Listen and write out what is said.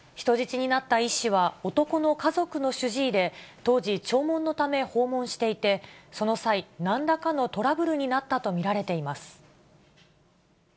人質になった医師は、男の家族の主治医で、当時、弔問のため訪問していて、その際、なんらかのトラブルになったと見られています。